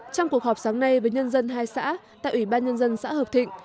trong cuộc họp sáng nay với nhân dân hai xã tại ủy ban nhân dân xã hợp thịnh